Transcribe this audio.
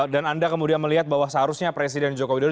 dan anda kemudian melihat bahwa seharusnya presiden joko widodo